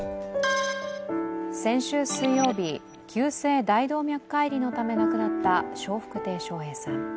先週水曜日、急性大動脈解離のため亡くなった笑福亭笑瓶さん。